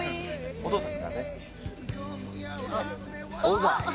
お父さん。